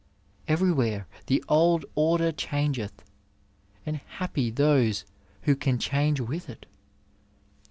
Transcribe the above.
Everywhere the old order changeth, and happy those who can change with it.